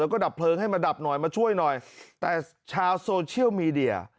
แล้วก็ดับเพลิงให้มาดับหน่อยมาช่วยหน่อยแต่ชาวโซเชียลมีเดีย